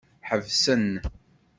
Ḥebsen.